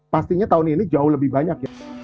pastinya tahun ini jauh lebih banyak ya